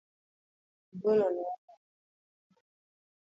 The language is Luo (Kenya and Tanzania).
Angolo na obarore